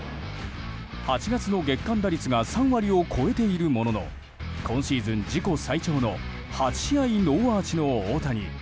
８月の月間打率が３割を超えているものの今シーズン自己最長の８試合ノーアーチの大谷。